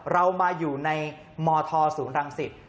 เรามาอยู่ในมธศูนย์รังสิต